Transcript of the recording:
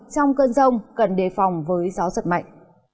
trong cơn rông cần đề phòng với gió giật mạnh